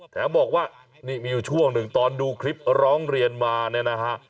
แถมบอกว่านี่มีอยู่ช่วงหนึ่งตอนดูคลิปร้องเรียนมาเนี่ยนะฮะ